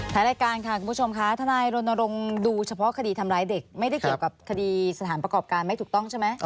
รายการค่ะคุณผู้ชมค่ะทนายรณรงค์ดูเฉพาะคดีทำร้ายเด็กไม่ได้เกี่ยวกับคดีสถานประกอบการไม่ถูกต้องใช่ไหม